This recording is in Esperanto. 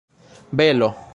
belo